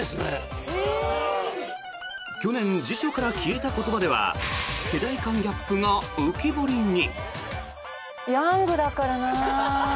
「去年辞書から消えた言葉」では世代間ギャップが浮き彫りに。